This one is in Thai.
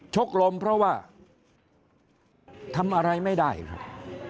กรมเพราะว่าทำอะไรไม่ได้ครับ